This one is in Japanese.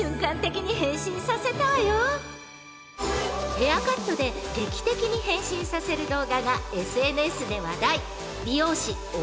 ［ヘアカットで劇的に変身させる動画がＳＮＳで話題］